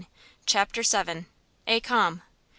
CHAPTER vii. A CALM.